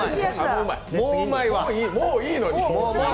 もういいのに。